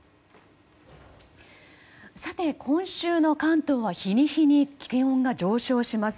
今週の関東は日に日に気温が上昇します。